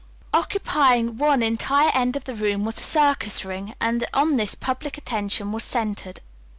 Occupying one entire end of the room was the circus ring, and on this public attention was centered.